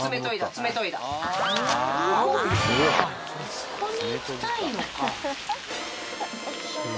あそこに行きたいのか。